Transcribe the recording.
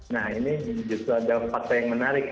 nah ini justru adalah part yang menarik